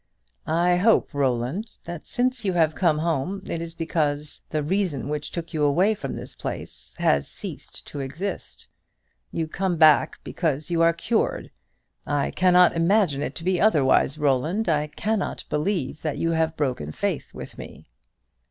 "I hope, Roland, that since you have come home, it is because the reason which took you away from this place has ceased to exist. You come back because you are cured. I cannot imagine it to be otherwise, Roland; I cannot believe that you have broken faith with me."